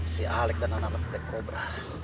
si alec dan anak anak black cobra